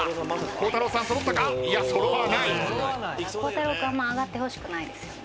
孝太郎君あんま上がってほしくないですよね。